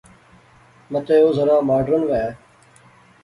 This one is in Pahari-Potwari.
متے او ذرا ماڈرن وہے